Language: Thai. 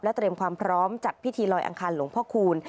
เตรียมความพร้อมจัดพิธีลอยอังคารหลวงพ่อคูณ